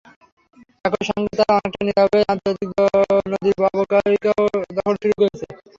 একই সঙ্গে তারা অনেকটা নীরবেই আন্তর্জাতিক নদীর অববাহিকাও দখল শুরু করছে।